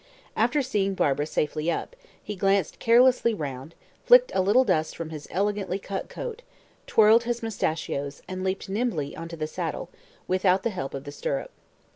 After seeing Barbara safely up, he glanced carelessly round, flicked a little dust from his elegantly cut coat, twirled his mustachios, and leaped nimbly into the saddle, without the help of the stirrup.